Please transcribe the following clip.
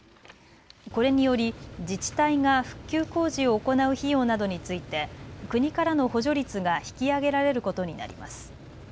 これにより自治体が復旧工事を行う費用などについて国からの補助率が引き上げられることになります。